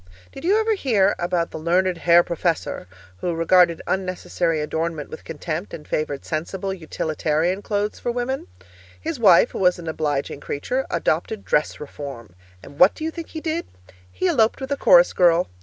Did you ever hear about the learned Herr Professor who regarded unnecessary adornment with contempt and favoured sensible, utilitarian clothes for women? His wife, who was an obliging creature, adopted 'dress reform.' And what do you think he did? He eloped with a chorus girl.